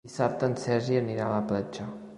Dissabte en Sergi anirà a la platja.